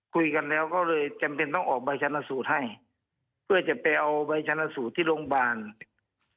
คุยกันแล้วก็เลยจำเป็นต้องออกใบชนะสูตรให้เพื่อจะไปเอาใบชนะสูตรที่โรงพยาบาลเนี่ย